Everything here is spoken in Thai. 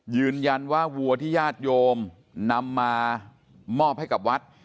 ยืนยันว่าวัวที่ญาติโยมนำมามอบให้กับวัด